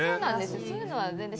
そういうのは全然。